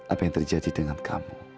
apa yang terjadi dengan kamu